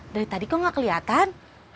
dari tadi kok nggak kelihatan